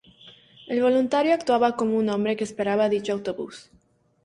El voluntario actuaba como un hombre que esperaba dicho autobús.